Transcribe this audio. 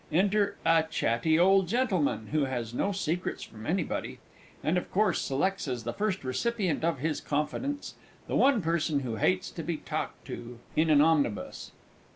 Enter a_ CHATTY OLD GENTLEMAN _who has no secrets from anybody, and of course selects as the first recipient of his confidence the one person who hates to be talked to in an omnibus_.